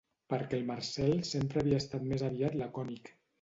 Perquè el Marcel sempre havia estat més aviat lacònic.